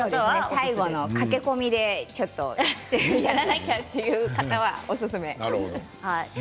最後の駆け込みでちょっとやらなきゃという方はおすすめ。